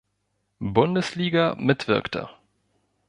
Bundesliga mitwirkte.